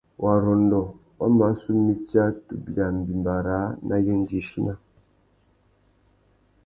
Warrôndô wa mà su mitsa tu bia mbîmbà râā nà yêndzichina.